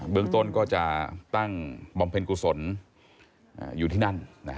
เมืองต้นก็จะตั้งบำเพ็ญกุศลอยู่ที่นั่น